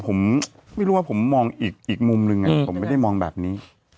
ผมไม่รู้ว่าผมมองอีกมุมหนึ่งผมไม่ได้มองแบบนี้